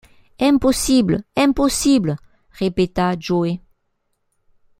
Impossible! impossible ! répéta Joe.